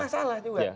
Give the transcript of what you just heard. ini masalah juga